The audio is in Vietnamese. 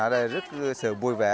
ở đây rất sự vui vẻ